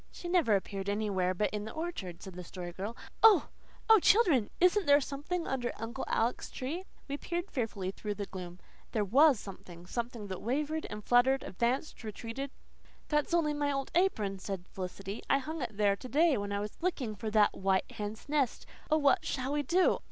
"She never appeared anywhere but in the orchard," said the Story Girl. "Oh, oh, children, isn't there something under Uncle Alec's tree?" We peered fearfully through the gloom. There WAS something something that wavered and fluttered advanced retreated "That's only my old apron," said Felicity. "I hung it there to day when I was looking for the white hen's nest. Oh, what shall we do?